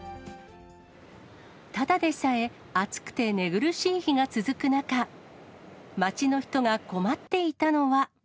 ただでさえ暑くて寝苦しい日が続く中、街の人が困っていたのは。